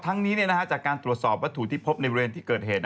ทั้งนี้จากการตรวจสอบวัตถุที่พบในบริเวณที่เกิดเหตุ